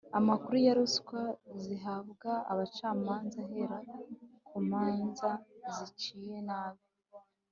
Amakuru ya ruswa zihabwa abacamanza ahera ku manzaziciye nabi